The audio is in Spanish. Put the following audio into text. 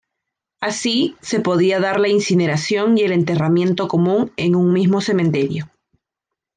Así, se podía dar la incineración y el enterramiento común en un mismo cementerio.